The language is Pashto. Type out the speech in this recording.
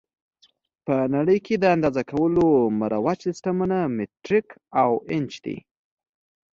په نړۍ کې د اندازه کولو مروج سیسټمونه مټریک او ایچ دي.